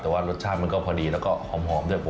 แต่ว่ารสชาติมันก็พอดีแล้วก็หอมด้วย